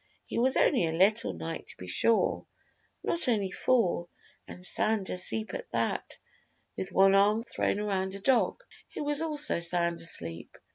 He was only a little knight, to be sure, not over four, and sound asleep at that, with one arm thrown around a big dog, who was also sound asleep.